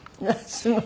すごい。